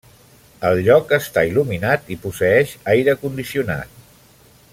El lloc està il·luminat i posseeix aire condicionat.